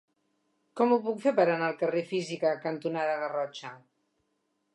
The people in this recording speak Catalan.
Com ho puc fer per anar al carrer Física cantonada Garrotxa?